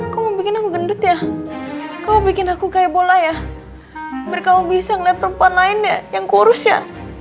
kalau bikin aku gendut ya kalau bikin aku kayak bola ya berkawasan leper lainnya yang kurus ya